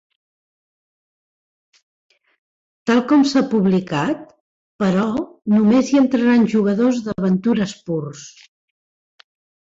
Tal com s'ha publicat, però, només hi entraran jugadors d'aventures purs.